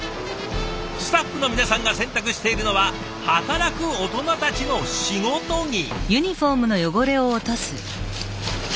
スタッフの皆さんが洗濯しているのは働くオトナたちの仕事着。